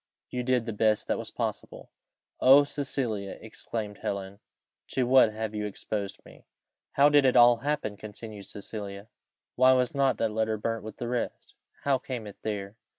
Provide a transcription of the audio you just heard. you did the best that was possible!" "O Cecilia!" exclaimed Helen, "to what have you exposed me?" "How did it all happen?" continued Cecilia. "Why was not that letter burnt with the rest? How came it there?